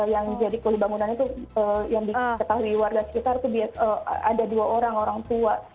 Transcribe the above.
yang jadi kuli bangunan itu yang diketahui warga sekitar itu ada dua orang orang tua